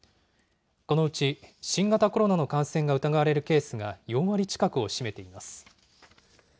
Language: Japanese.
このうち新型コロナの感染が疑われるケースが４割近くを占めています。